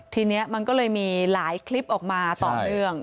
ทีนี้มันก็เลยมีหลายคลิปออกมาต่อเนื่อง